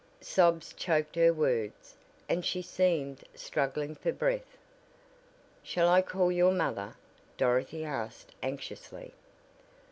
Sobs choked her words, and she seemed struggling for breath. "Shall I call your mother?" Dorothy asked anxiously.